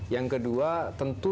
yang kedua tentu